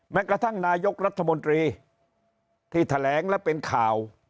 กระทั่งนายกรัฐมนตรีที่แถลงและเป็นข่าว